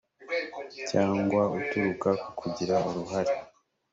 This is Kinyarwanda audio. cyangwa uturuka ku kugira uruhare